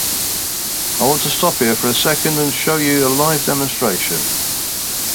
I want to stop here for a second and show you a live demonstration.